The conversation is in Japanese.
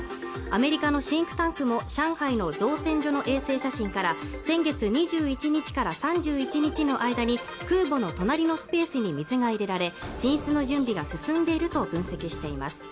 アメリカのシンクタンクも上海の造船所の衛星写真から先月２１日から３１日の間に空母の隣のスペースに水が入れられ進出の準備が進んでいると分析しています